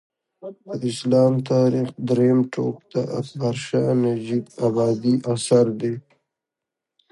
د اسلام تاریخ درېیم ټوک د اکبر شاه نجیب ابادي اثر دی